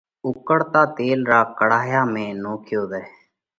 اُوڪۯتا تيل را ڪڙاهيا ۾ نوکيو زائه۔